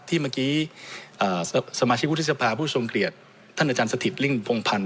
ที่เมื่อกี้สมาชิกวุทธศพาผู้ชมเกลียดท่านอาจารย์สถิตริกลิ้งพงภัณฑ์